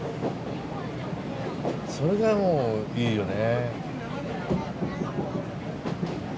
それがもういいよね。